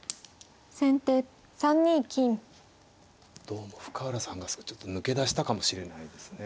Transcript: どうも深浦さんがちょっと抜け出したかもしれないですね。